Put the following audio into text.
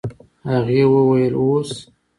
هغې وويل اوس.